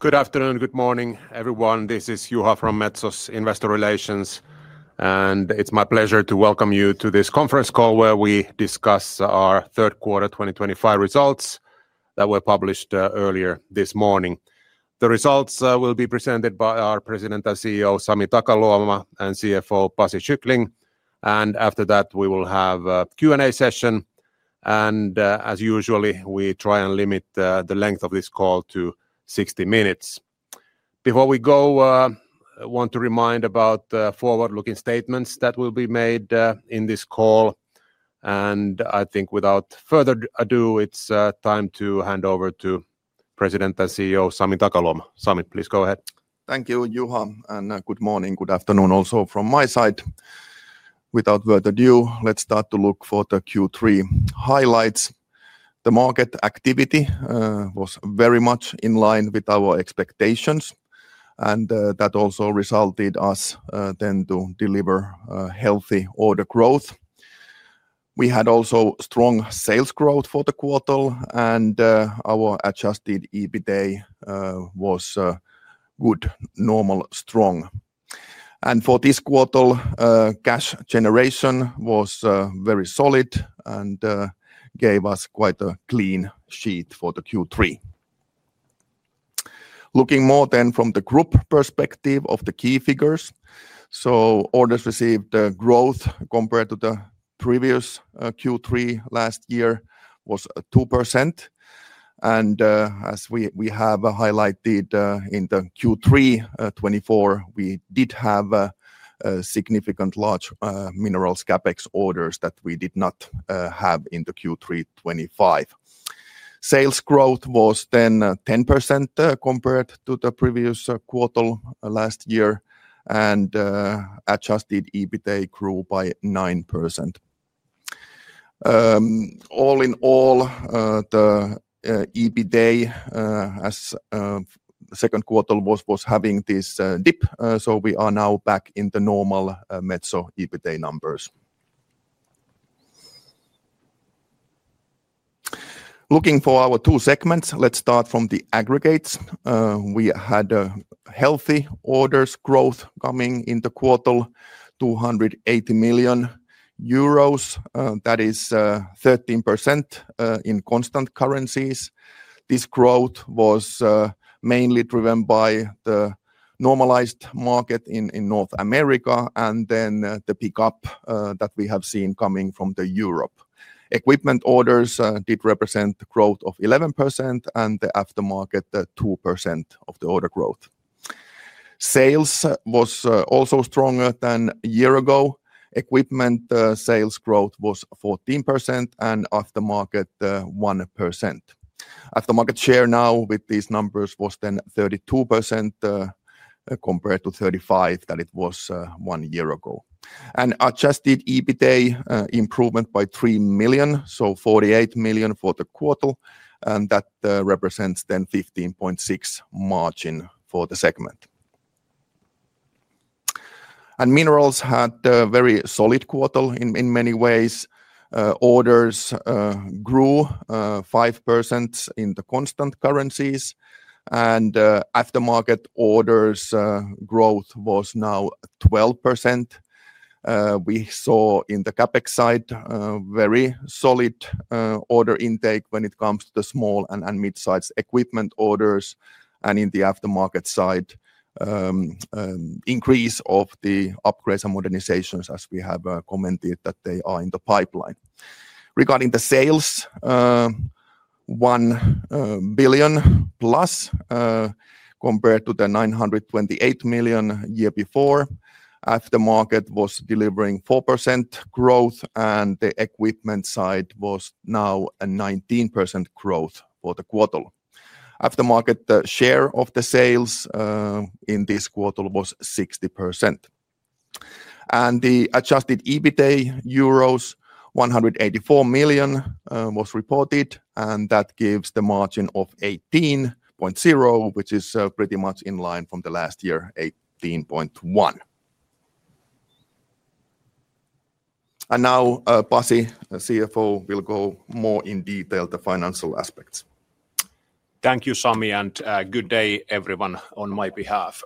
Good afternoon, good morning, everyone. This is Juha from Metso's Investor Relations, and it's my pleasure to welcome you to this conference call where we discuss our third quarter 2025 results that were published earlier this morning. The results will be presented by our President and CEO, Sami Takaluoma, and CFO, Pasi Kycling. After that, we will have a Q&A session. As usually, we try and limit the length of this call to 60 minutes. Before we go, I want to remind about the forward-looking statements that will be made in this call. I think without further ado, it's time to hand over to President and CEO, Sami Takaluoma. Sami, please go ahead. Thank you, Juha, and good morning, good afternoon also from my side. Without further ado, let's start to look for the Q3 highlights. The market activity was very much in line with our expectations, and that also resulted in us then to deliver healthy order growth. We had also strong sales growth for the quarter, and our adjusted EBITDA was good, normal, strong. For this quarter, cash generation was very solid and gave us quite a clean sheet for the Q3. Looking more then from the group perspective of the key figures, orders received growth compared to the previous Q3 last year was 2%. As we have highlighted in the Q3 2024, we did have significant large minerals CapEx orders that we did not have in the Q3 2025. Sales growth was then 10% compared to the previous quarter last year, and adjusted EBITDA grew by 9%. All in all, the EBITDA as the second quarter was having this dip, we are now back in the normal Metso EBITDA numbers. Looking for our two segments, let's start from the aggregates. We had healthy orders growth coming in the quarter, 280 million euros. That is 13% in constant currencies. This growth was mainly driven by the normalized market in North America and the pickup that we have seen coming from Europe. Equipment orders did represent a growth of 11% and the aftermarket 2% of the order growth. Sales was also stronger than a year ago. Equipment sales growth was 14% and aftermarket 1%. Aftermarket share now with these numbers was then 32% compared to 35% that it was one year ago. Adjusted EBITDA improvement by 3 million, so 48 million for the quarter, and that represents then 15.6% margin for the segment. Minerals had a very solid quarter in many ways. Orders grew 5% in the constant currencies, and aftermarket orders growth was now 12%. We saw in the CapEx side very solid order intake when it comes to the small and mid-sized equipment orders, and in the aftermarket side, increase of the upgrades and modernizations as we have commented that they are in the pipeline. Regarding the sales, 1 billion plus compared to the 928 million year before, aftermarket was delivering 4% growth, and the equipment side was now a 19% growth for the quarter. Aftermarket share of the sales in this quarter was 60%. The adjusted EBITDA euros, 184 million was reported, and that gives the margin of 18.0%, which is pretty much in line from the last year, 18.1%. Now, Pasi, CFO, will go more in detail to financial aspects. Thank you, Sami, and good day, everyone, on my behalf.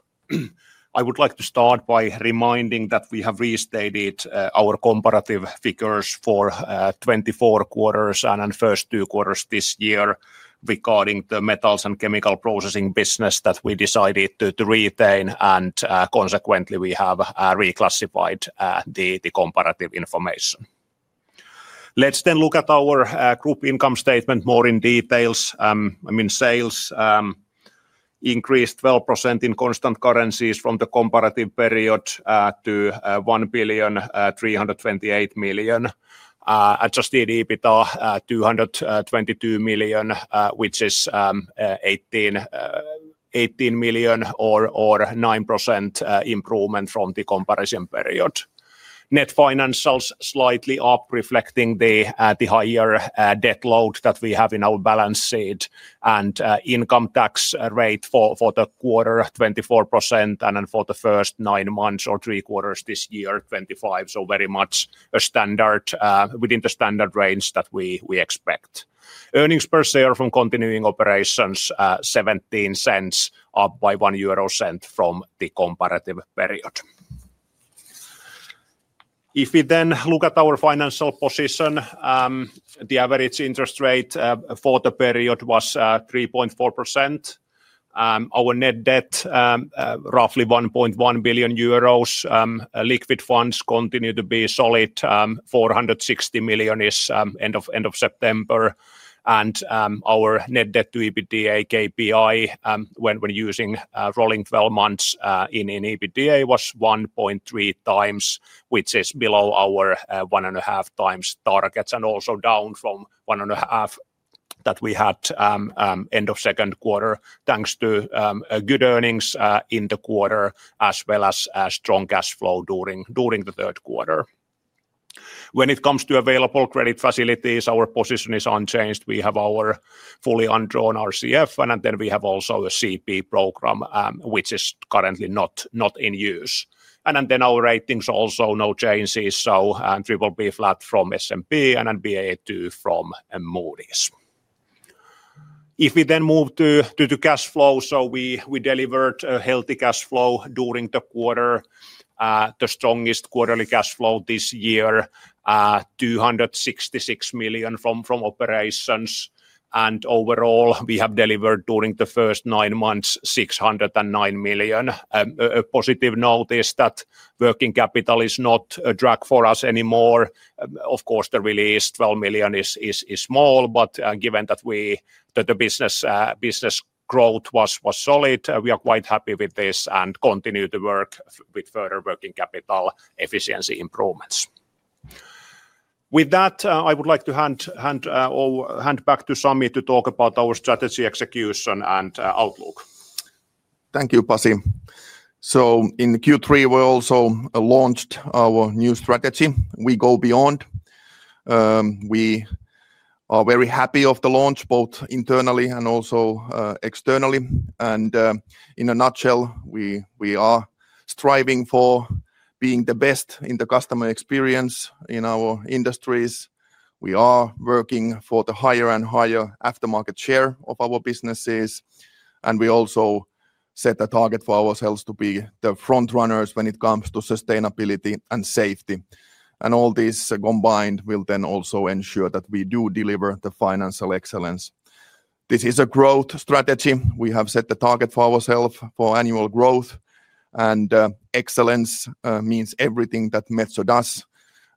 I would like to start by reminding that we have restated our comparative figures for 24 quarters and the first two quarters this year regarding the metals and chemical processing business that we decided to retain, and consequently, we have reclassified the comparative information. Let's then look at our group income statement more in detail. I mean, sales increased 12% in constant currencies from the comparative period to 1.328 billion. Adjusted EBITDA 222 million, which is 18 million or 9% improvement from the comparison period. Net financials slightly up, reflecting the higher debt load that we have in our balance sheet, and income tax rate for the quarter 24% and for the first nine months or three quarters this year 25%, so very much within the standard range that we expect. Earnings per share from continuing operations, 0.17 up by 0.01 from the comparative period. If we then look at our financial position, the average interest rate for the period was 3.4%. Our net debt, roughly 1.1 billion euros. Liquid funds continue to be solid, 460 million end of September. Our net debt to EBITDA KPI, when using rolling 12 months in EBITDA, was 1.3x, which is below our 1.5x targets and also down from 1.5 that we had end of second quarter, thanks to good earnings in the quarter as well as strong cash flow during the third quarter. When it comes to available credit facilities, our position is unchanged. We have our fully undrawn RCF, and then we have also a CP program, which is currently not in use. Our ratings also no changes, so BBB flat from S&P and Ba2 from Moody’s. If we then move to cash flow, we delivered a healthy cash flow during the quarter. The strongest quarterly cash flow this year, 266 million from operations. Overall, we have delivered during the first nine months 609 million. A positive note is that working capital is not a drag for us anymore. Of course, the release 12 million is small, but given that the business growth was solid, we are quite happy with this and continue to work with further working capital efficiency improvements. With that, I would like to hand back to Sami to talk about our strategy execution and outlook. Thank you, Pasi. In Q3, we also launched our new strategy, We Go Beyond. We are very happy of the launch, both internally and also externally. In a nutshell, we are striving for being the best in the customer experience in our industries. We are working for the higher and higher aftermarket share of our businesses. We also set a target for ourselves to be the front runners when it comes to sustainability and safety. All this combined will then also ensure that we do deliver the financial excellence. This is a growth strategy. We have set the target for ourselves for annual growth. Excellence means everything that Metso does.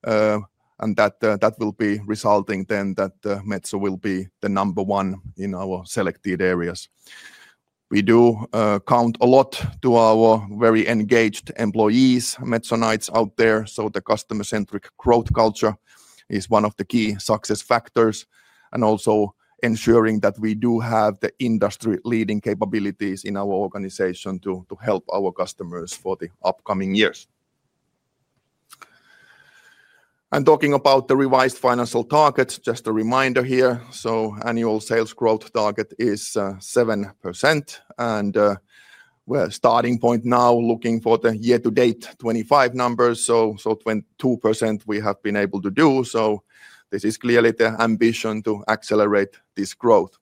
That will be resulting then that Metso will be the number one in our selected areas. We do count a lot to our very engaged employees, Metsonites out there. The customer-centric growth culture is one of the key success factors. Also ensuring that we do have the industry-leading capabilities in our organization to help our customers for the upcoming years. Talking about the revised financial targets, just a reminder here. Annual sales growth target is 7%. We're starting point now looking for the year-to-date 2025 numbers. 22% we have been able to do. This is clearly the ambition to accelerate this growth.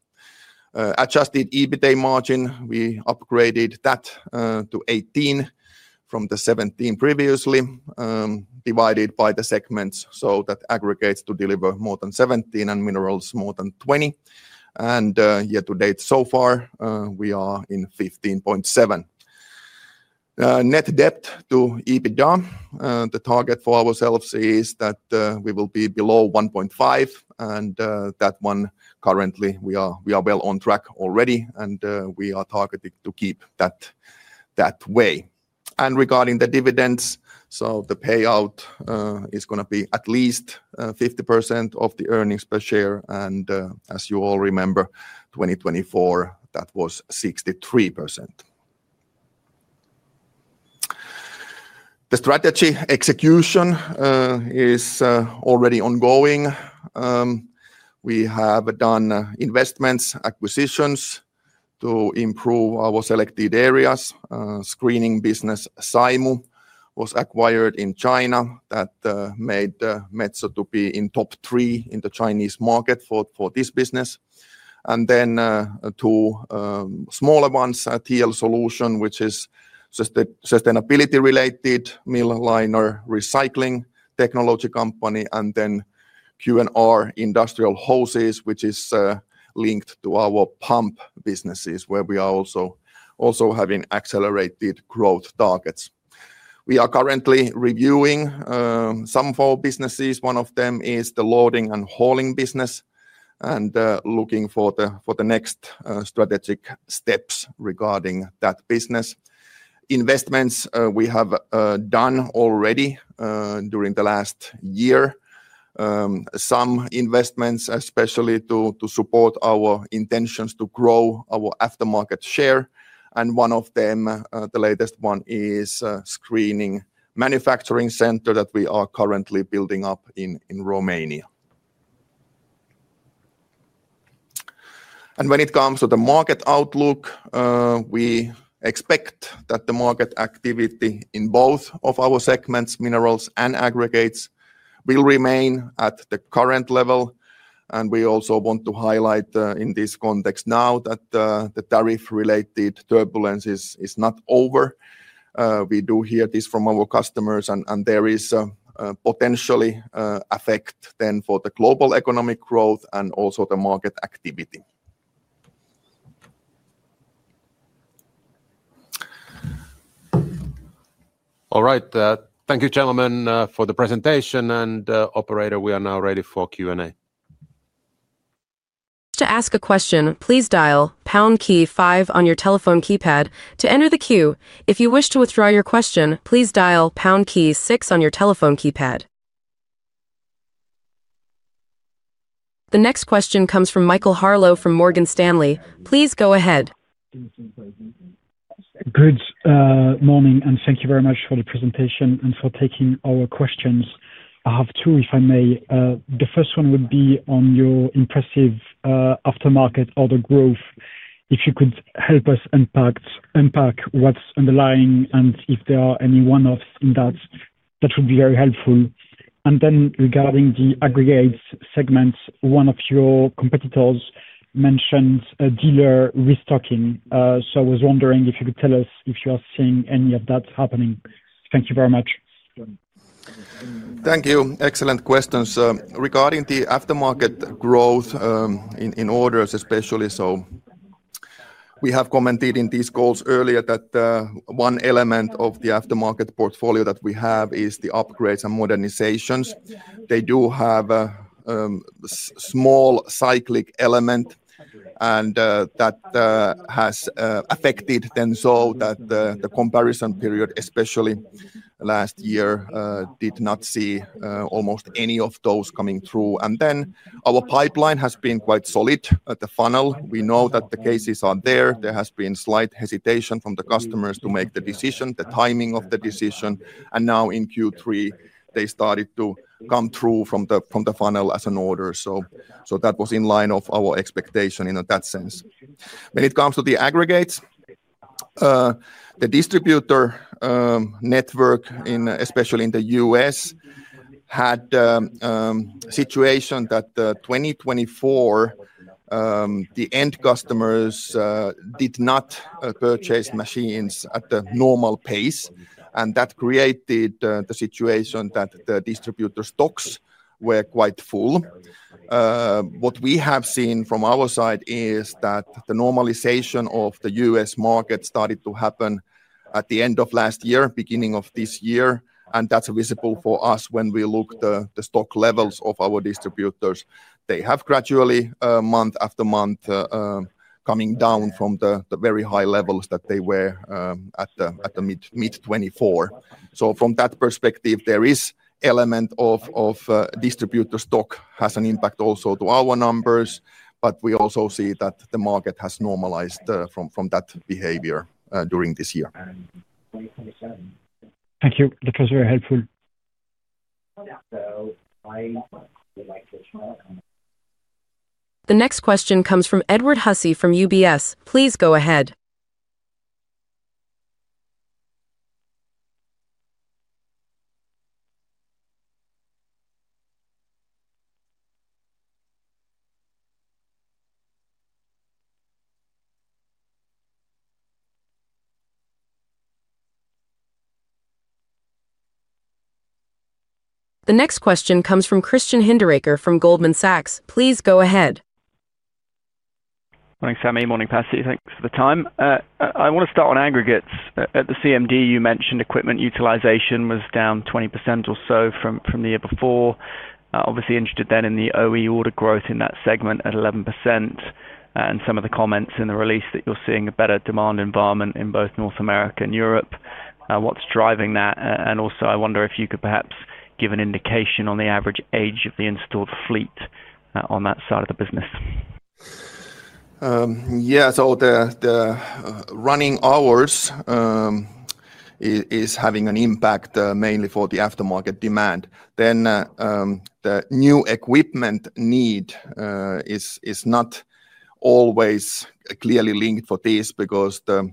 Adjusted EBITDA margin, we upgraded that to 18% from the 17% previously, divided by the segments. That aggregates to deliver more than 17% and minerals more than 20%. Year-to-date so far, we are in 15.7%. Net debt to EBITDA, the target for ourselves is that we will be below 1.5%. That one currently, we are well on track already. We are targeting to keep that way. Regarding the dividends, the payout is going to be at least 50% of the earnings per share. As you all remember, 2024, that was 63%. The strategy execution is already ongoing. We have done investments, acquisitions to improve our selected areas. Screening business, Selm, was acquired in China. That made Metso to be in top three in the Chinese market for this business. Two smaller ones, TL Solution, which is a sustainability-related mill liner recycling technology company. Q&R Industrial Hoses, which is linked to our pump businesses, where we are also having accelerated growth targets. We are currently reviewing some of our businesses. One of them is the loading and hauling business. Looking for the next strategic steps regarding that business. Investments we have done already during the last year. Some investments, especially to support our intentions to grow our aftermarket share. One of them, the latest one, is a screening manufacturing center that we are currently building up in Romania. When it comes to the market outlook, we expect that the market activity in both of our segments, minerals and aggregates, will remain at the current level. We also want to highlight in this context now that the tariff-related turbulence is not over. We do hear this from our customers, and there is a potential effect then for the global economic growth and also the market activity. All right, thank you, gentlemen, for the presentation. Operator, we are now ready for Q&A. To ask a question, please dial pound key five on your telephone keypad to enter the queue. If you wish to withdraw your question, please dial pound key six on your telephone keypad. The next question comes from Michael Harlow from Morgan Stanley. Please go ahead. Good morning, and thank you very much for the presentation and for taking our questions. I have two, if I may. The first one would be on your impressive aftermarket order growth. If you could help us unpack what's underlying and if there are any one-offs in that, that would be very helpful. Then regarding the aggregates segments, one of your competitors mentioned a dealer restocking. I was wondering if you could tell us if you are seeing any of that happening. Thank you very much. Thank you. Excellent questions. Regarding the aftermarket growth in orders especially, we have commented in these calls earlier that one element of the aftermarket portfolio that we have is the upgrades and modernizations. They do have a small cyclic element, and that has affected them so that the comparison period, especially last year, did not see almost any of those coming through. Our pipeline has been quite solid at the funnel. We know that the cases are there. There has been slight hesitation from the customers to make the decision, the timing of the decision. Now in Q3, they started to come through from the funnel as an order. That was in line of our expectation in that sense. When it comes to the aggregates, the distributor network, especially in the U.S., had a situation that in 2024, the end customers did not purchase machines at the normal pace. That created the situation that the distributor stocks were quite full. What we have seen from our side is that the normalization of the U.S. market started to happen at the end of last year, beginning of this year. That's visible for us when we look at the stock levels of our distributors. They have gradually, month after month, come down from the very high levels that they were at the mid-2024. From that perspective, there is an element of distributor stock has an impact also to our numbers. We also see that the market has normalized from that behavior during this year. Thank you. That was very helpful. The next question comes from Edward Hussey from UBS. Please go ahead. The next question comes from Christian Hinderaker from Goldman Sachs. Please go ahead. Morning, Sami. Morning, Pasi. Thanks for the time. I want to start on aggregates. At the CMD, you mentioned equipment utilization was down 20% or so from the year before. Obviously, interested then in the OE order growth in that segment at 11% and some of the comments in the release that you're seeing a better demand environment in both North America and Europe. What's driving that? I wonder if you could perhaps give an indication on the average age of the installed fleet on that side of the business. Yeah, so the running hours is having an impact mainly for the aftermarket demand. The new equipment need is not always clearly linked for this because the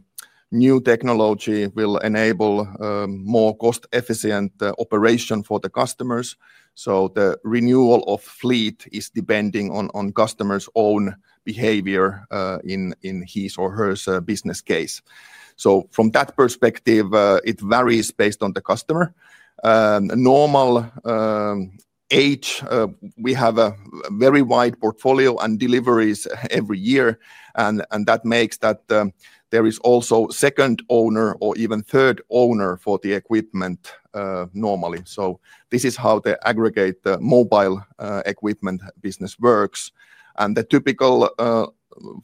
new technology will enable more cost-efficient operation for the customers. The renewal of fleet is depending on customers' own behavior in his or her business case. From that perspective, it varies based on the customer. Normally, we have a very wide portfolio and deliveries every year. That makes that there is also a second owner or even a third owner for the equipment normally. This is how the aggregates mobile equipment business works. The typical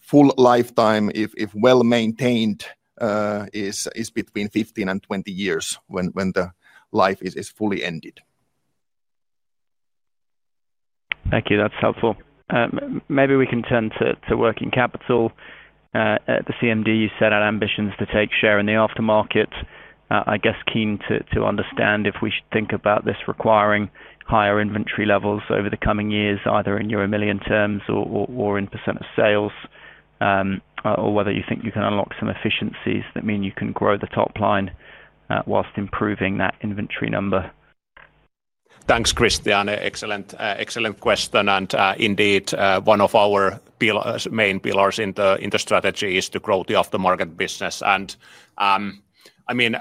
full lifetime, if well maintained, is between 15 and 20 years when the life is fully ended. Thank you. That's helpful. Maybe we can turn to working capital. At the CMD, you set out ambitions to take share in the aftermarket. I guess keen to understand if we should think about this requiring higher inventory levels over the coming years, either in your million terms or in % of sales, or whether you think you can unlock some efficiencies that mean you can grow the top line whilst improving that inventory number. Thanks, Christian. Excellent question. Indeed, one of our main pillars in the strategy is to grow the aftermarket business. I mean,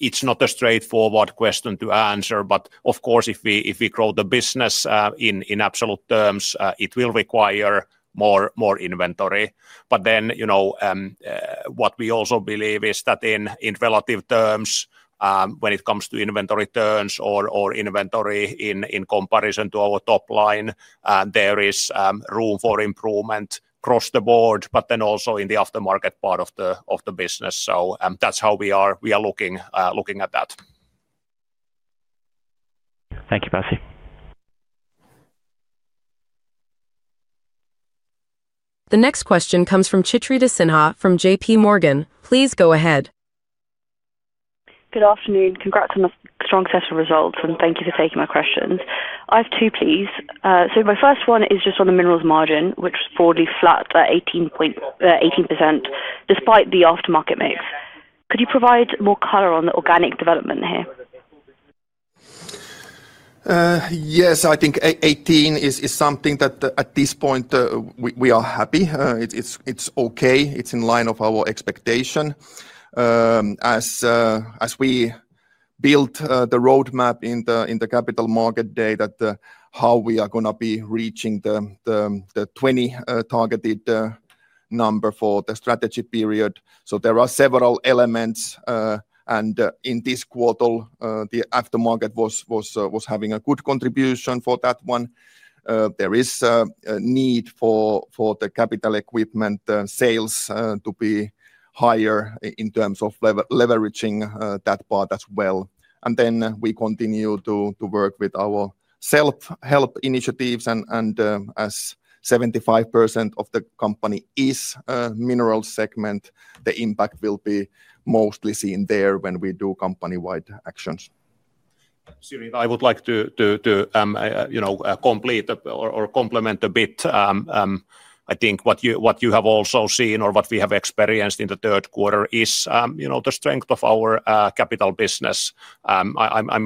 it's not a straightforward question to answer, but of course, if we grow the business in absolute terms, it will require more inventory. What we also believe is that in relative terms, when it comes to inventory turns or inventory in comparison to our top line, there is room for improvement across the board, also in the aftermarket part of the business. That's how we are looking at that. Thank you, Pasi. The next question comes from Chitrita Sinha from JPMorgan. Please go ahead. Good afternoon. Congrats on the strong session results, and thank you for taking my questions. I have two, please. My first one is just on the minerals margin, which was broadly flat at 18% despite the aftermarket mix. Could you provide more color on the organic development here? Yes, I think 18% is something that at this point we are happy with. It's okay. It's in line with our expectation as we built the roadmap in the Capital Market Day, how we are going to be reaching the 20% targeted number for the strategy period. There are several elements. In this quarter, the aftermarket was having a good contribution for that one. There is a need for the capital equipment sales to be higher in terms of leveraging that part as well. We continue to work with our self-help initiatives. As 75% of the company is the minerals segment, the impact will be mostly seen there when we do company-wide actions. I would like to complement a bit. I think what you have also seen or what we have experienced in the third quarter is the strength of our capital business. The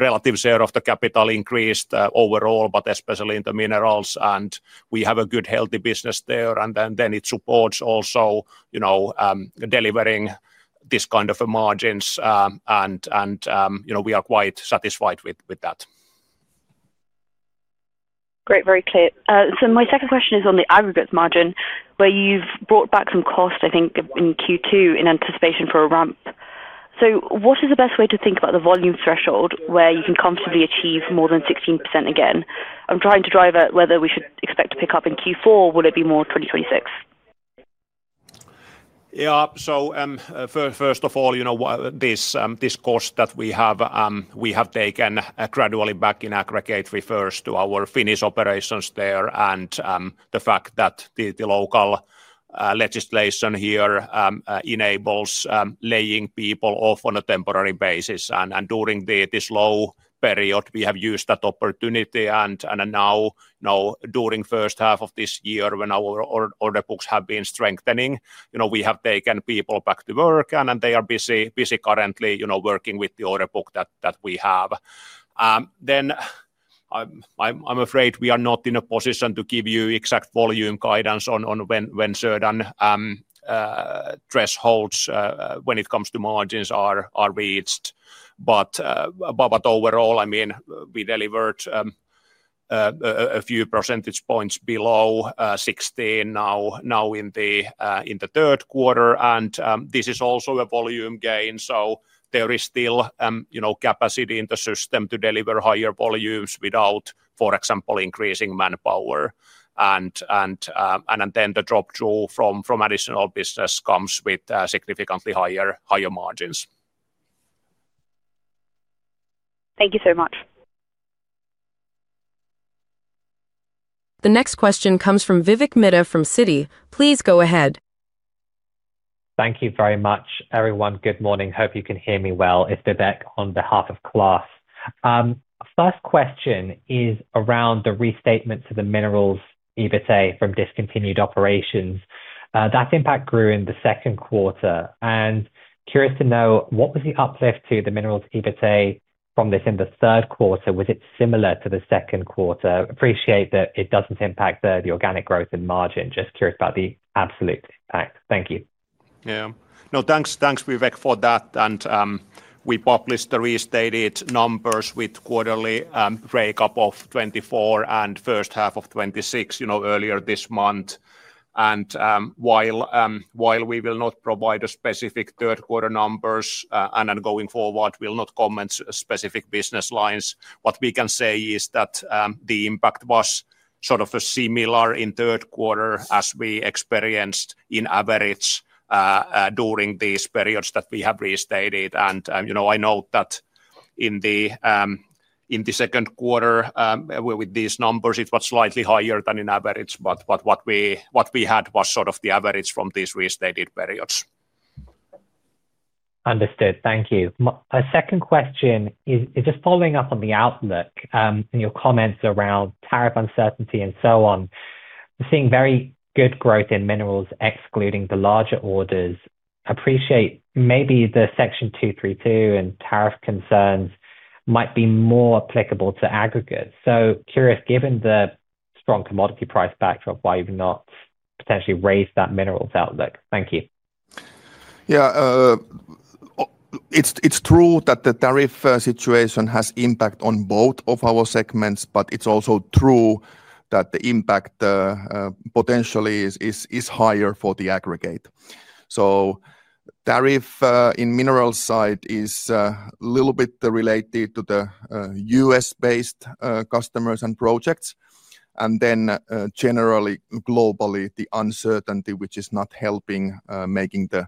relative share of the capital increased overall, but especially in the minerals. We have a good, healthy business there. It supports also delivering this kind of margins. We are quite satisfied with that. Great, very clear. My second question is on the aggregates margin where you've brought back some costs, I think, in Q2 in anticipation for a ramp. What is the best way to think about the volume threshold where you can comfortably achieve more than 16% again? I'm trying to drive at whether we should expect a pickup in Q4. Will it be more 2026? Yeah, so first of all, this cost that we have taken gradually back in aggregates refers to our Finnish operations there, and the fact that the local legislation here enables laying people off on a temporary basis. During the slow period, we have used that opportunity. Now, during the first half of this year, when our order books have been strengthening, we have taken people back to work, and they are busy currently working with the order book that we have. I'm afraid we are not in a position to give you exact volume guidance on when certain thresholds when it comes to margins are reached. Overall, we delivered a few percentage points below 16% now in the third quarter. This is also a volume gain. There is still capacity in the system to deliver higher volumes without, for example, increasing manpower. The drop through from additional business comes with significantly higher margins. Thank you so much. The next question comes from Vivek Midha from Citi. Please go ahead. Thank you very much, everyone. Good morning. Hope you can hear me well. It's Vivek on behalf of CLAAS. First question is around the restatement to the Minerals EBITDA from discontinued operations. That impact grew in the second quarter. Curious to know, what was the uplift to the Minerals EBITDA from this in the third quarter? Was it similar to the second quarter? Appreciate that it doesn't impact the organic growth in margin. Just curious about the absolute impact. Thank you. Yeah, no, thanks, Vivek, for that. We published the restated numbers with quarterly breakup of 2024 and first half of 2026 earlier this month. While we will not provide specific third-quarter numbers and going forward, we'll not comment specific business lines. What we can say is that the impact was sort of similar in third quarter as we experienced in average during these periods that we have restated. I note that in the second quarter with these numbers, it was slightly higher than in average. What we had was sort of the average from these restated periods. Understood. Thank you. A second question is just following up on the outlook and your comments around tariff uncertainty and so on. We're seeing very good growth in minerals, excluding the larger orders. Appreciate maybe the Section 232 and tariff concerns might be more applicable to aggregates. Curious, given the strong commodity price backdrop, why you've not potentially raised that minerals outlook. Thank you. Yeah, it's true that the tariff situation has impact on both of our segments, but it's also true that the impact potentially is higher for the aggregates. Tariff in the minerals side is a little bit related to the U.S.-based customers and projects. Generally, globally, the uncertainty, which is not helping making the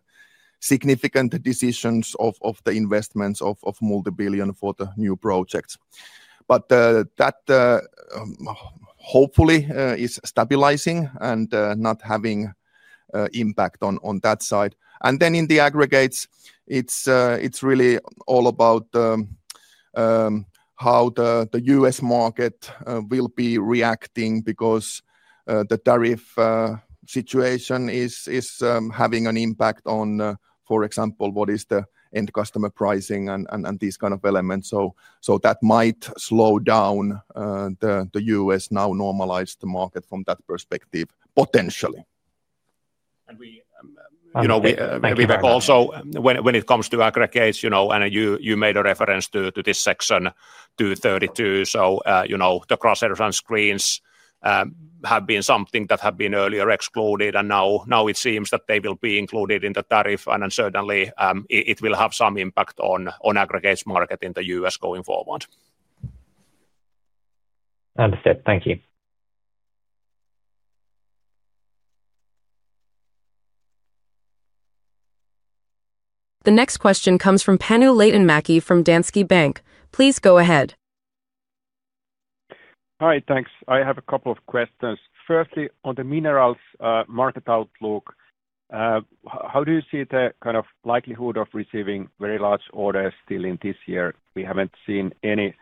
significant decisions of the investments of multibillion for the new projects. That hopefully is stabilizing and not having an impact on that side. In the aggregates, it's really all about how the U.S. market will be reacting because the tariff situation is having an impact on, for example, what is the end customer pricing and these kinds of elements. That might slow down the U.S. now normalized market from that perspective, potentially. When it comes to aggregates, you made a reference to this Section 232. The cross-section screens have been something that had been earlier excluded, and now it seems that they will be included in the tariff. Certainly, it will have some impact on the aggregates market in the U.S. going forward. Understood. Thank you. The next question comes from Panu Laitinmäki from Danske Bank. Please go ahead. Hi, thanks. I have a couple of questions. Firstly, on the minerals market outlook, how do you see the kind of likelihood of receiving very large orders still in this year? We haven't seen any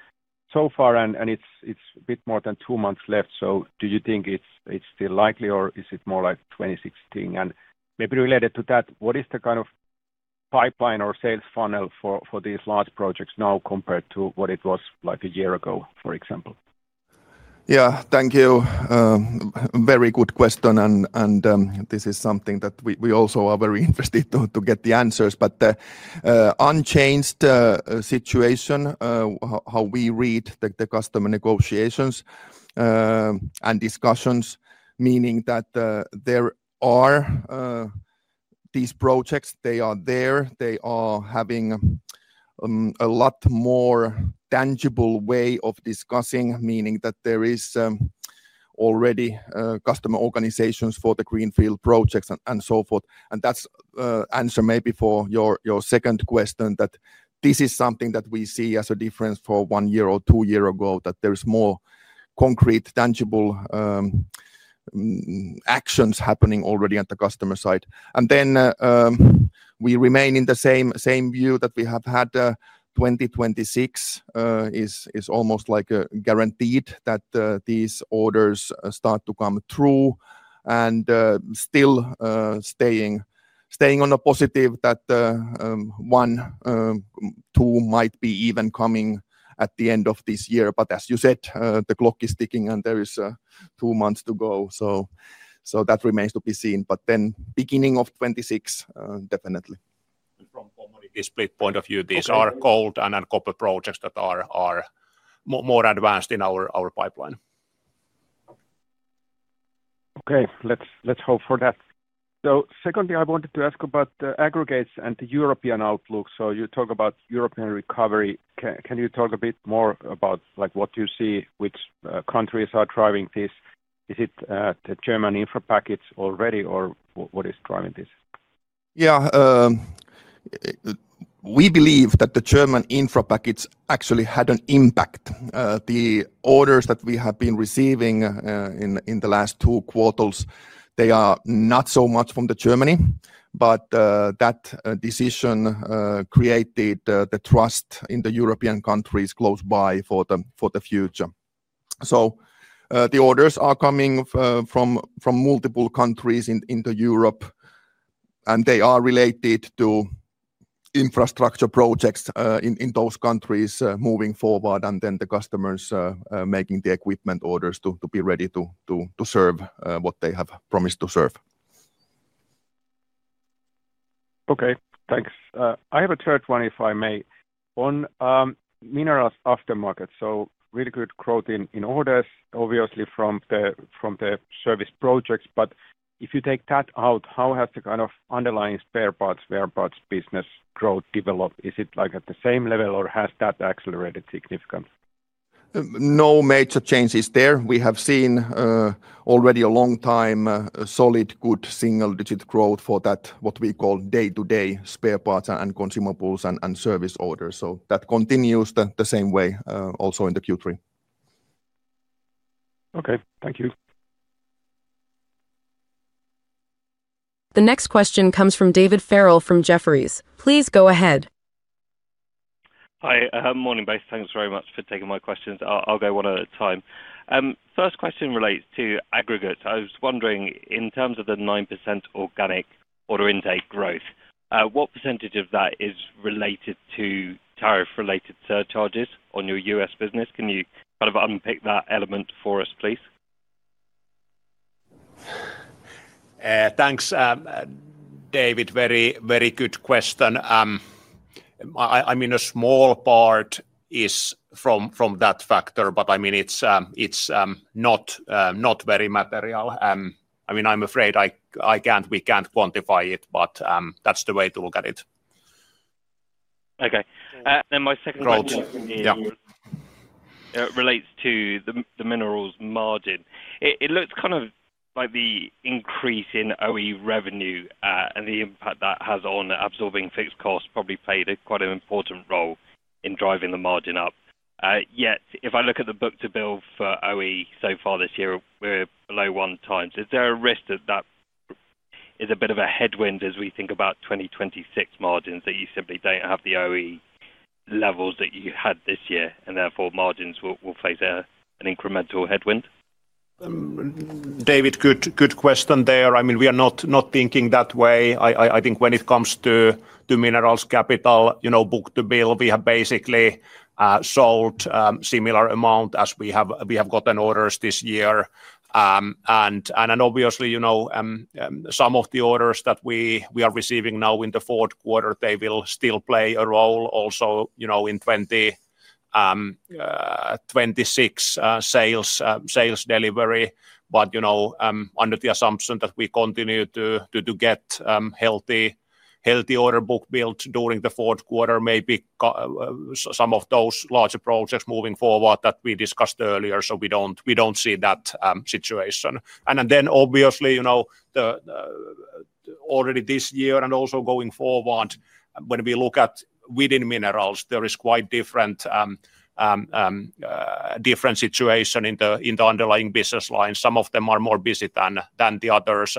so far, and it's a bit more than two months left. Do you think it's still likely, or is it more like 2016? Maybe related to that, what is the kind of pipeline or sales funnel for these large projects now compared to what it was like a year ago, for example? Yeah, thank you. Very good question. This is something that we also are very interested to get the answers. The unchanged situation, how we read the customer negotiations and discussions, meaning that there are these projects, they are there, they are having a lot more tangible way of discussing, meaning that there is already customer organizations for the greenfield projects and so forth. That's the answer maybe for your second question, that this is something that we see as a difference for one year or two years ago, that there is more concrete, tangible actions happening already at the customer side. We remain in the same view that we have had. 2026 is almost like guaranteed that these orders start to come through. Still staying on a positive that one, two might be even coming at the end of this year. As you said, the clock is ticking and there are two months to go. That remains to be seen. Beginning of 2026, definitely. From a split point of view, these are cold and a couple of projects that are more advanced in our pipeline. Okay, let's hope for that. Secondly, I wanted to ask about the aggregates and the European outlook. You talk about European recovery. Can you talk a bit more about what you see, which countries are driving this? Is it the German infra package already, or what is driving this? Yeah, we believe that the German infra package actually had an impact. The orders that we have been receiving in the last two quarters are not so much from Germany, but that decision created the trust in the European countries close by for the future. The orders are coming from multiple countries in Europe, and they are related to infrastructure projects in those countries moving forward, and the customers making the equipment orders to be ready to serve what they have promised to serve. Okay, thanks. I have a third one, if I may. On minerals aftermarket, really good growth in orders, obviously from the service projects. If you take that out, how has the kind of underlying spare parts, spare parts business growth developed? Is it at the same level, or has that accelerated significantly? No major changes there. We have seen already a long time solid, good single-digit growth for that, what we call day-to-day spare parts and consumables and service orders. That continues the same way also in the Q3. Okay, thank you. The next question comes from David Farrell from Jefferies. Please go ahead. Hi, morning, both. Thanks very much for taking my questions. I'll go one at a time. First question relates to aggregates. I was wondering, in terms of the 9% organic order intake growth, what percentage of that is related to tariff-related surcharges on your U.S. business? Can you kind of unpick that element for us, please? Thanks, David. Very, very good question. A small part is from that factor, but it's not very material. I'm afraid we can't quantify it, but that's the way to look at it. Okay. My second question relates to the minerals margin. It looks kind of like the increase in OE revenue and the impact that has on absorbing fixed costs probably played quite an important role in driving the margin up. Yet, if I look at the book to build for OE so far this year, we're below one time. Is there a risk that that is a bit of a headwind as we think about 2026 margins, that you simply don't have the OE levels that you had this year, and therefore margins will face an incremental headwind? David, good question there. I mean, we are not thinking that way. I think when it comes to minerals capital, you know, book to bill, we have basically sold a similar amount as we have gotten orders this year. Obviously, some of the orders that we are receiving now in the fourth quarter will still play a role also in 2026 sales delivery. Under the assumption that we continue to get healthy order book builds during the fourth quarter, maybe some of those larger projects moving forward that we discussed earlier, we don't see that situation. Obviously, already this year and also going forward, when we look at within minerals, there is quite a different situation in the underlying business lines. Some of them are more busy than the others.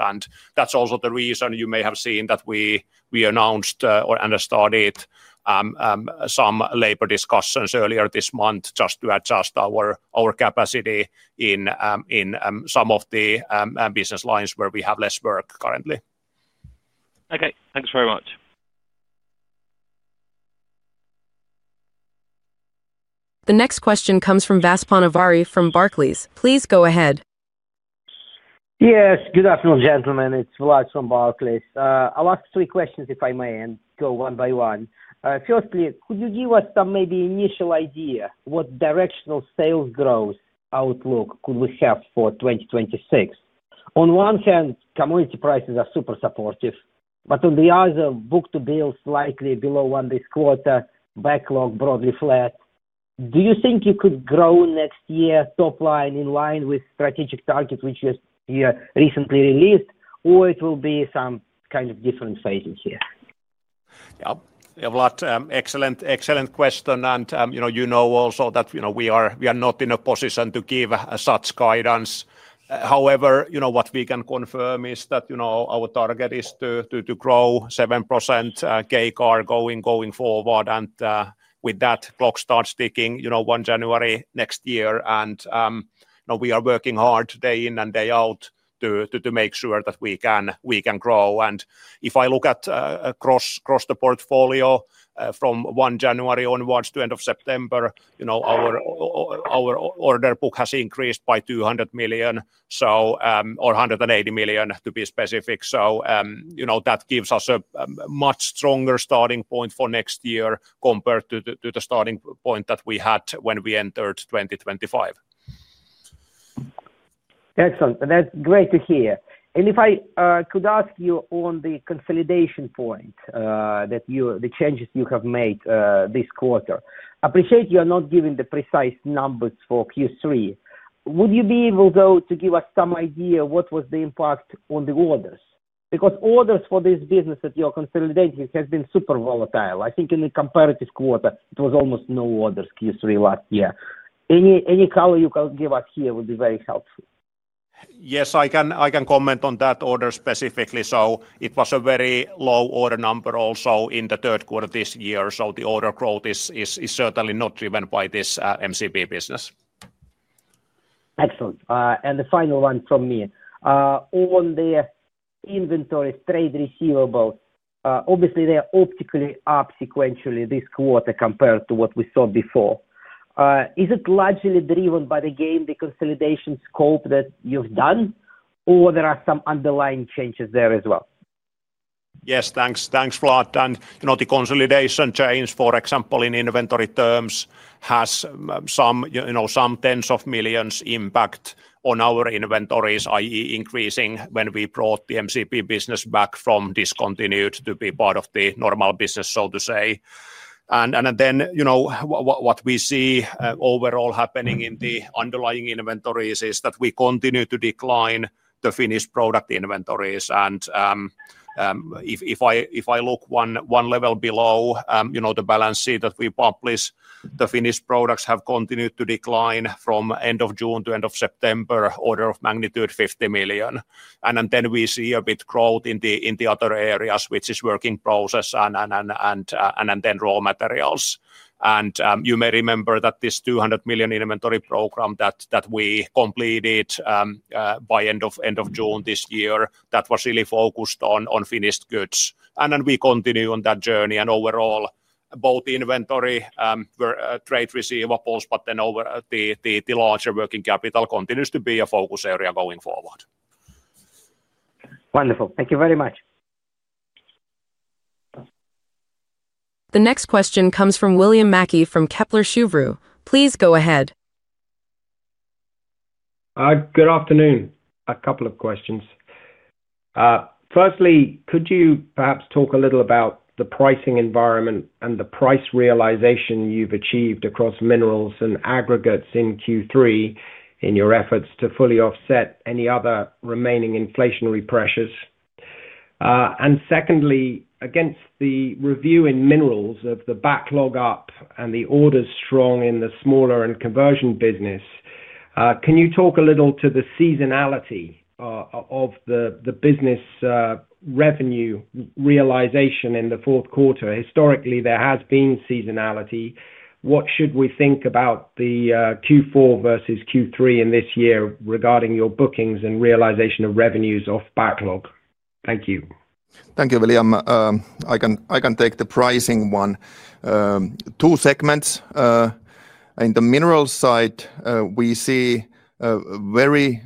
That's also the reason you may have seen that we announced and started some labor discussions earlier this month just to adjust our capacity in some of the business lines where we have less work currently. Okay, thanks very much. The next question comes from [Vas Panavari] from Barclays. Please go ahead. Yes, good afternoon, gentlemen. It's Vlad from Barclays. I'll ask three questions, if I may, and go one by one. Firstly, could you give us some maybe initial idea what directional sales growth outlook could we have for 2026? On one hand, commodity prices are super supportive, but on the other, book to bill slightly below one this quarter, backlog broadly flat. Do you think you could grow next year top line in line with strategic target which you recently released, or it will be some kind of different phases here? Yeah, Vlad, excellent question. You know also that we are not in a position to give such guidance. However, what we can confirm is that our target is to grow 7% CAGR going forward, and with that, the clock starts ticking January 1 next year. We are working hard day in and day out to make sure that we can grow. If I look across the portfolio from January 1 onwards to the end of September, our order book has increased by 200 million, or 180 million to be specific. That gives us a much stronger starting point for next year compared to the starting point that we had when we entered 2025. Excellent. That's great to hear. If I could ask you on the consolidation point, the changes you have made this quarter, I appreciate you are not giving the precise numbers for Q3. Would you be able to give us some idea what was the impact on the orders? Because orders for this business that you are consolidating have been super volatile. I think in the comparative quarter, it was almost no orders Q3 last year. Any color you can give us here would be very helpful. Yes, I can comment on that order specifically. It was a very low order number also in the third quarter this year. The order growth is certainly not driven by this MCB business. Excellent. The final one from me, on the inventory trade receivable, obviously, they are optically up sequentially this quarter compared to what we saw before. Is it largely driven by the gain, the consolidation scope that you've done, or are there some underlying changes there as well? Yes, thanks, Vlad. The consolidation change, for example, in inventory terms has some tens of millions impact on our inventories, i.e., increasing when we brought the MCB business back from discontinued to be part of the normal business, so to say. What we see overall happening in the underlying inventories is that we continue to decline the finished product inventories. If I look one level below the balance sheet that we publish, the finished products have continued to decline from end of June to end of September, order of magnitude 50 million. We see a bit growth in the other areas, which is work in process and then raw materials. You may remember that this 200 million inventory program that we completed by end of June this year was really focused on finished goods. We continue on that journey. Overall, both inventory trade receivables, but then over the larger working capital, continues to be a focus area going forward. Wonderful. Thank you very much. The next question comes from William Mackie from Kepler Cheuvreux. Please go ahead. Good afternoon. A couple of questions. Firstly, could you perhaps talk a little about the pricing environment and the price realization you've achieved across minerals and aggregates in Q3 in your efforts to fully offset any other remaining inflationary pressures? Secondly, against the review in minerals of the backlog up and the orders strong in the smaller and conversion business, can you talk a little to the seasonality of the business revenue realization in the fourth quarter? Historically, there has been seasonality. What should we think about the Q4 versus Q3 in this year regarding your bookings and realization of revenues off backlog? Thank you. Thank you, William. I can take the pricing one. Two segments. In the minerals side, we see very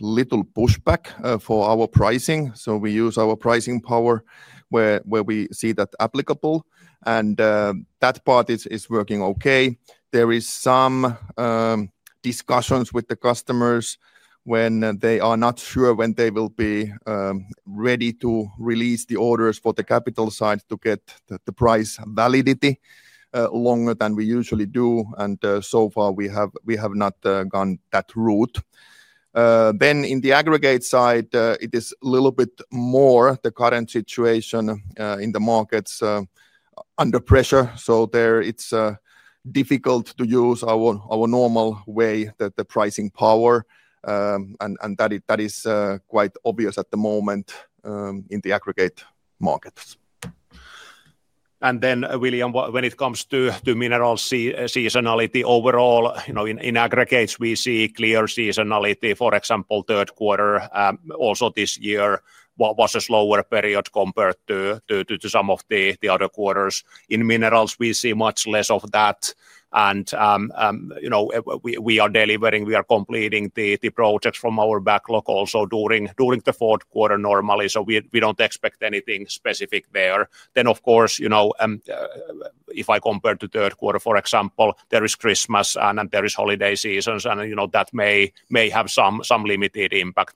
little pushback for our pricing. We use our pricing power where we see that applicable, and that part is working okay. There are some discussions with the customers when they are not sure when they will be ready to release the orders for the capital side to get the price validity longer than we usually do. So far, we have not gone that route. In the aggregates side, it is a little bit more the current situation in the markets under pressure. It is difficult to use our normal way, the pricing power, and that is quite obvious at the moment in the aggregates markets. When it comes to mineral seasonality overall, in aggregates, we see clear seasonality. For example, third quarter also this year was a slower period compared to some of the other quarters. In minerals, we see much less of that. We are delivering, we are completing the projects from our backlog also during the fourth quarter normally. We don't expect anything specific there. Of course, if I compare to third quarter, for example, there is Christmas and there is holiday seasons. That may have some limited impact,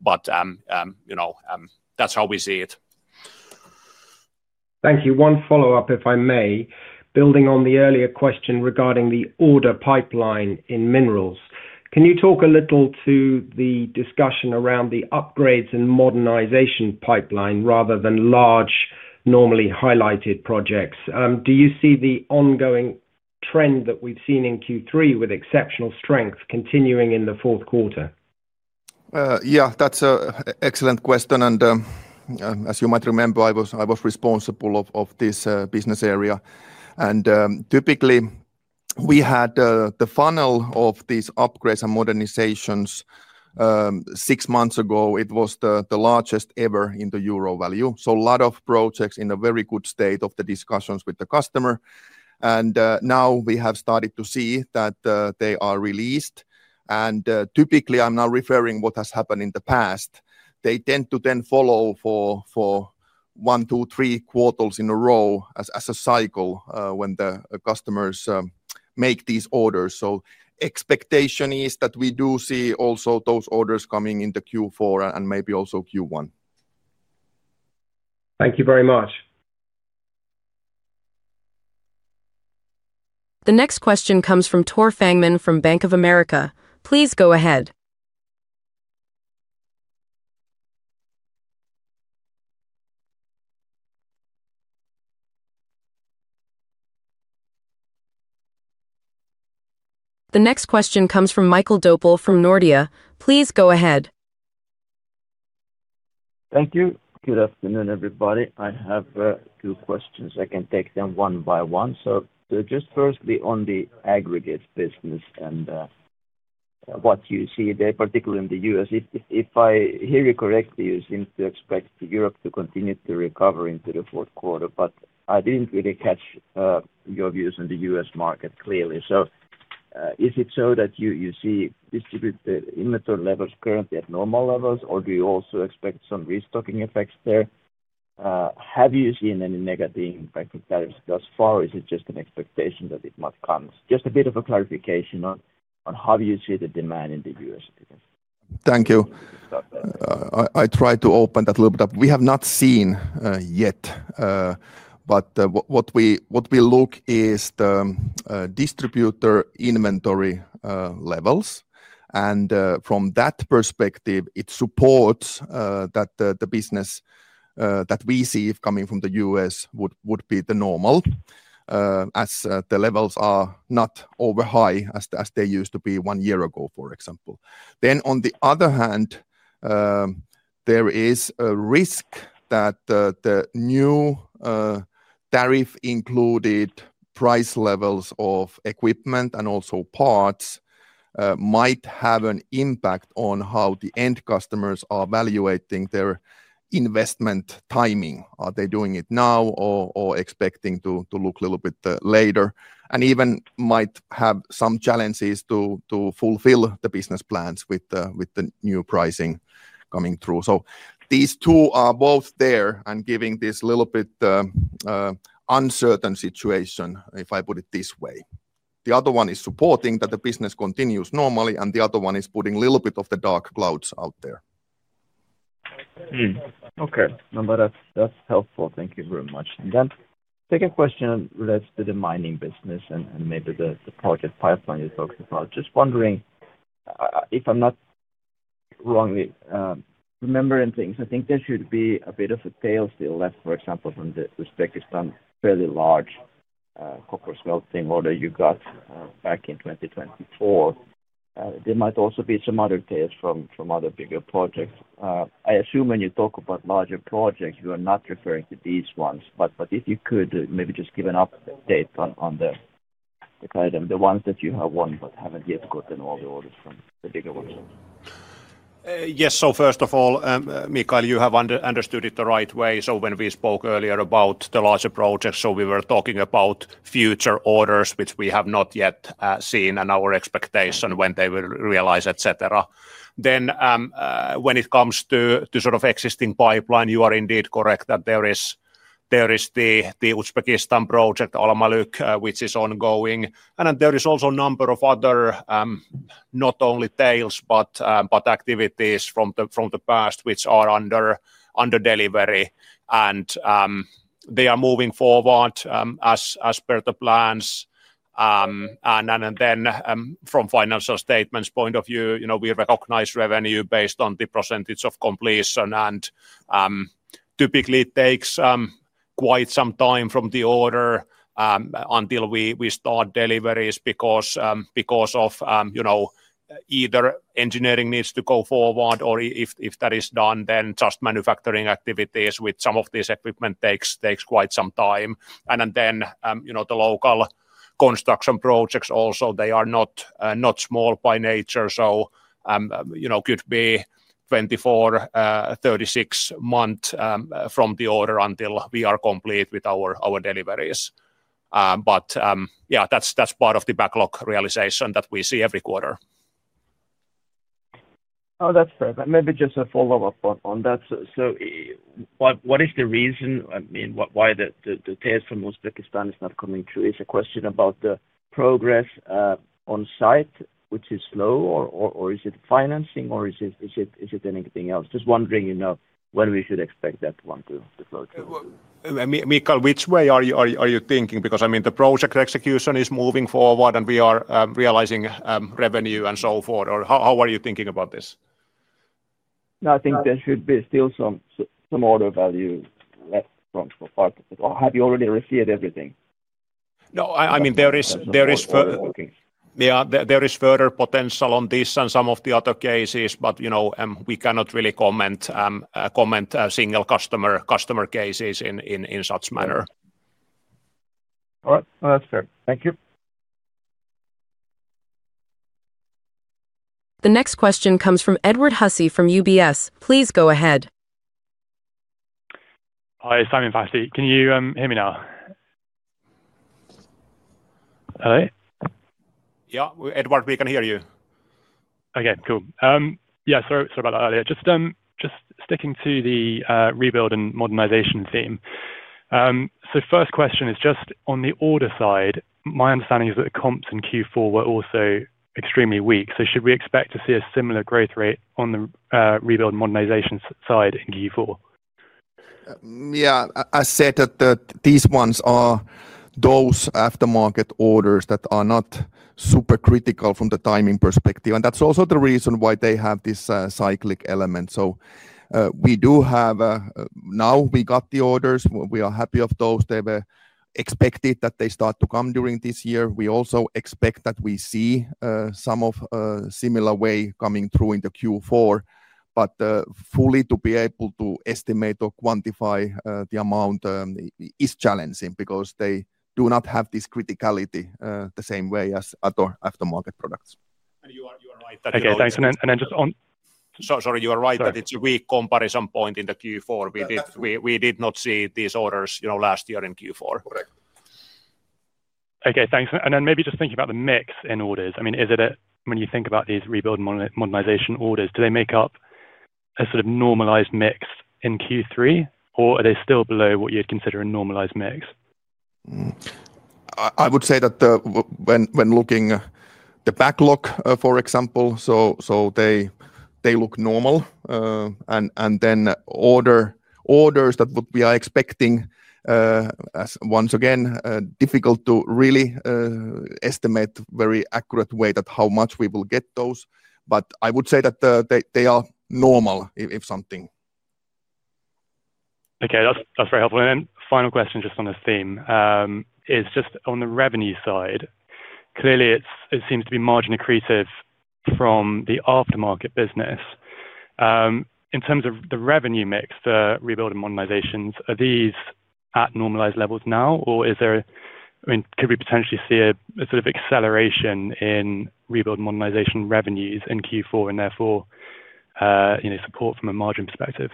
but that's how we see it. Thank you. One follow-up, if I may. Building on the earlier question regarding the order pipeline in minerals, can you talk a little to the discussion around the upgrades and modernization pipeline rather than large, normally highlighted projects? Do you see the ongoing trend that we've seen in Q3 with exceptional strength continuing in the fourth quarter? Yeah, that's an excellent question. As you might remember, I was responsible for this business area. Typically, we had the funnel of these upgrades and modernizations six months ago. It was the largest ever in the euro value, so a lot of projects in a very good state of the discussions with the customer. Now we have started to see that they are released. Typically, I'm now referring to what has happened in the past. They tend to then follow for one, two, three quarters in a row as a cycle when the customers make these orders. The expectation is that we do see also those orders coming into Q4 and maybe also Q1. Thank you very much. The next question comes from Tore Fangmann from Bank of America. Please go ahead. The next question comes from Mikael Doepel from Nordea. Please go ahead. Thank you. Good afternoon, everybody. I have two questions. I can take them one by one. Firstly, on the aggregates business and what you see there, particularly in the U.S. If I hear you correctly, you seem to expect Europe to continue to recover into the fourth quarter, but I didn't really catch your views on the U.S. market clearly. Is it so that you see distributor inventory levels currently at normal levels, or do you also expect some restocking effects there? Have you seen any negative impact of tariffs thus far? Is it just an expectation that it might come? Just a bit of a clarification on how you see the demand in the U.S., please. Thank you. I tried to open that a little bit. We have not seen yet, but what we look at is the distributor inventory levels. From that perspective, it supports that the business that we see coming from the U.S. would be the normal as the levels are not overhigh as they used to be one year ago, for example. On the other hand, there is a risk that the new tariff-included price levels of equipment and also parts might have an impact on how the end customers are evaluating their investment timing. Are they doing it now or expecting to look a little bit later? It even might have some challenges to fulfill the business plans with the new pricing coming through. These two are both there and giving this little bit uncertain situation, if I put it this way. One is supporting that the business continues normally, and the other is putting a little bit of the dark clouds out there. Okay. No, that's helpful. Thank you very much. The second question relates to the mining business and maybe the project pipeline you talked about. Just wondering, if I'm not wrong remembering things, I think there should be a bit of a tail still left, for example, from the Uzbekistan fairly large copper smelting order you got back in 2024. There might also be some other tails from other bigger projects. I assume when you talk about larger projects, you are not referring to these ones. If you could maybe just give an update on the kind of the ones that you have won but haven't yet gotten all the orders from the bigger ones. Yes. First of all, Michael, you have understood it the right way. When we spoke earlier about the larger projects, we were talking about future orders, which we have not yet seen, and our expectation when they will realize, etc. When it comes to sort of existing pipeline, you are indeed correct that there is the Uzbekistan project, Alamaluk, which is ongoing. There is also a number of other not only tails, but activities from the past which are under delivery. They are moving forward as per the plans. From a financial statements point of view, you know we recognize revenue based on the percentage of completion. Typically, it takes quite some time from the order until we start deliveries because of, you know, either engineering needs to go forward, or if that is done, just manufacturing activities with some of these equipment takes quite some time. The local construction projects also, they are not small by nature. It could be 24, 36 months from the order until we are complete with our deliveries. That's part of the backlog realization that we see every quarter. That's fair. Maybe just a follow-up on that. What is the reason? I mean, why the tails from Uzbekistan are not coming through? Is it a question about the progress on site, which is slow, or is it financing, or is it anything else? Just wondering, you know, when we should expect that one to flow through. Michael, which way are you thinking? I mean, the project execution is moving forward, and we are realizing revenue and so forth. How are you thinking about this? No, I think there should be still some order value left from part of it. Have you already refilled everything? No, I mean, there is further potential on this and some of the other cases, but you know we cannot really comment on single customer cases in such a manner. All right. That's fair. Thank you. The next question comes from Edward Hussey from UBS. Please go ahead. Hi, Sami, Pasi. Can you hear me now? Hello? Yeah, Edward, we can hear you. Okay, cool. Sorry about that earlier. Just sticking to the rebuild and modernization theme. First question is just on the order side, my understanding is that the comps in Q4 were also extremely weak. Should we expect to see a similar growth rate on the rebuild and modernization side in Q4? Yeah, I said that these ones are those aftermarket orders that are not super critical from the timing perspective. That's also the reason why they have this cyclic element. We do have now, we got the orders. We are happy of those. They were expected that they start to come during this year. We also expect that we see some of a similar way coming through in the Q4. Fully to be able to estimate or quantify the amount is challenging because they do not have this criticality the same way as other aftermarket products. You are right that. Okay, thanks. Just on. Sorry, you are right that it's a weak comparison point in Q4. We did not see these orders last year in Q4. Correct. Okay, thanks. Maybe just thinking about the mix in orders. I mean, is it when you think about these rebuild and modernization orders, do they make up a sort of normalized mix in Q3, or are they still below what you'd consider a normalized mix? I would say that when looking at the backlog, for example, they look normal. Orders that we are expecting, once again, difficult to really estimate in a very accurate way how much we will get those, but I would say that they are normal if something. Okay, that's very helpful. Final question just on this theme is just on the revenue side. Clearly, it seems to be margin accretive from the aftermarket business. In terms of the revenue mix for rebuild and modernizations, are these at normalized levels now, or is there, I mean, could we potentially see a sort of acceleration in rebuild and modernization revenues in Q4 and therefore support from a margin perspective?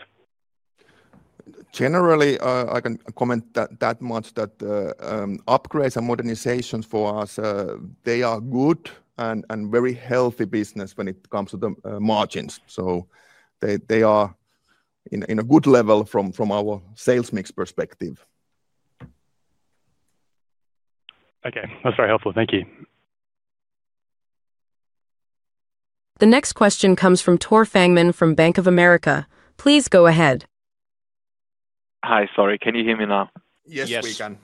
Generally, I can comment that much that upgrades and modernizations for us, they are good and very healthy business when it comes to the margins. They are in a good level from our sales mix perspective. Okay, that's very helpful. Thank you. The next question comes from Tore Fangmann from Bank of America. Please go ahead. Hi, sorry. Can you hear me now? Yes, we can.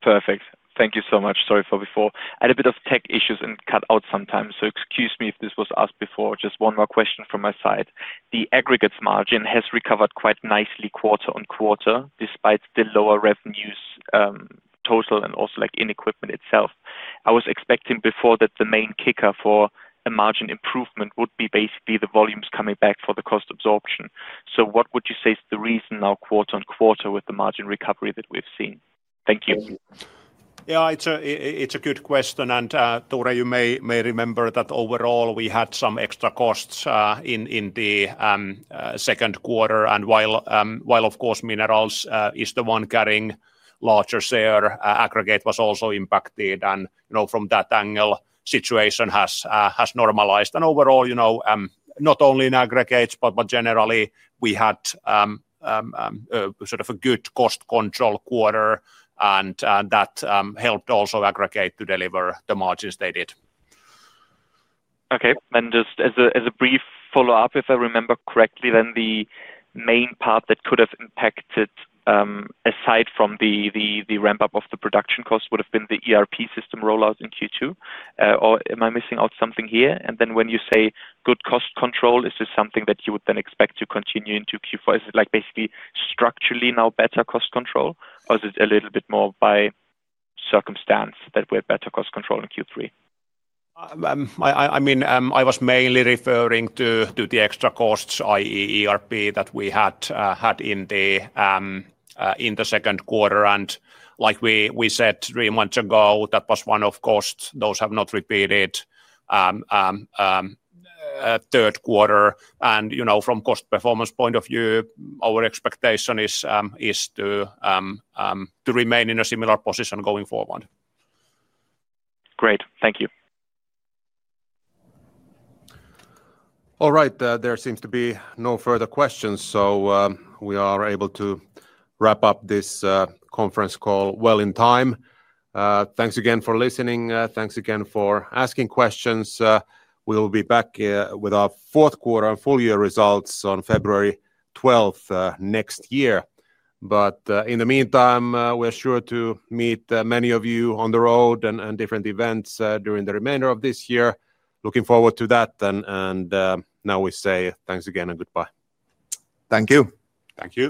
Perfect. Thank you so much. Sorry for before. I had a bit of tech issues and cut out sometimes. Excuse me if this was asked before. Just one more question from my side. The aggregates margin has recovered quite nicely quarter on quarter despite the lower revenues total and also like in equipment itself. I was expecting before that the main kicker for a margin improvement would be basically the volumes coming back for the cost absorption. What would you say is the reason now quarter on quarter with the margin recovery that we've seen? Thank you. Yeah, it's a good question. Tore, you may remember that overall we had some extra costs in the second quarter. While, of course, Minerals is the one carrying a larger share, Aggregates was also impacted. From that angle, the situation has normalized. Overall, you know, not only in Aggregates, but generally, we had sort of a good cost control quarter. That helped also Aggregates to deliver the margins they did. Okay. Just as a brief follow-up, if I remember correctly, the main part that could have impacted aside from the ramp-up of the production cost would have been the ERP implementation in Q2. Am I missing out something here? When you say good cost control, is this something that you would expect to continue into Q4? Is it basically structurally now better cost control, or is it a little bit more by circumstance that we're better cost control in Q3? I mean, I was mainly referring to the extra costs, i.e., ERP implementation that we had in the second quarter. Like we said three months ago, that was one-off costs. Those have not repeated in the third quarter. From a cost performance point of view, our expectation is to remain in a similar position going forward. Great. Thank you. All right. There seems to be no further questions. We are able to wrap up this conference call well in time. Thanks again for listening. Thanks again for asking questions. We'll be back with our fourth quarter and full-year results on February 12th next year. In the meantime, we're sure to meet many of you on the road and at different events during the remainder of this year. Looking forward to that. We say thanks again and goodbye. Thank you. Thank you.